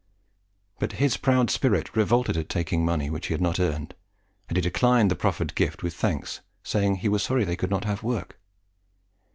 But his proud spirit revolted at taking money which he had not earned; and he declined the proffered gift with thanks, saying he was sorry they could not have work.